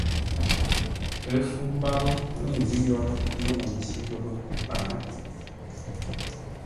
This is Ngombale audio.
Ə́ fú mbápə́ lə̂ ngʉ́ yórə́ lə̂ məndǐ ghəpə́-paŋə́.